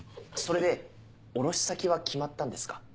それで卸先は決まったんですか？